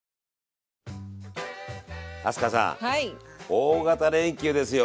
大型連休ですよ。